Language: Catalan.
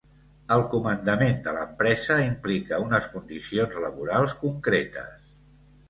El comandament de l'empresa implica unes condicions laborals concretes.